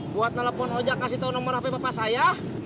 buat nelfon ojak kasih tahu nomor hp bapak saya